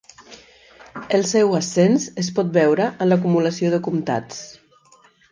El seu ascens es pot veure en l'acumulació de comtats.